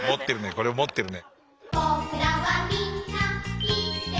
これ持ってるね。